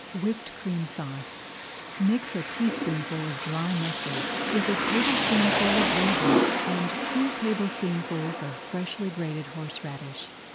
WHIPPED CREAM SAUCE Mix a teaspoonful of dry mustard with a tablespoonful of vinegar and two tablespoonfuls of freshly grated horseradish.